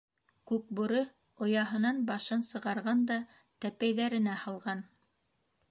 Күкбүре ояһынан башын сығарған да тәпәйҙәренә һалған.